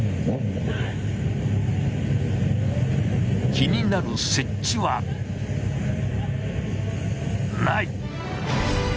気になる接地はない。